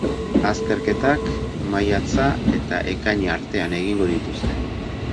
Azterketak maiatza eta ekaina artean egingo dituzte.